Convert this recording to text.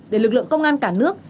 để lực lượng công an cả nước